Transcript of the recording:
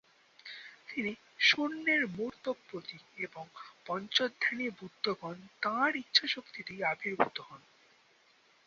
তিনি শূন্যের মূর্ত প্রতীক এবং পঞ্চধ্যানী বুদ্ধগণ তাঁর ইচ্ছাশক্তিতেই আবির্ভূত হন।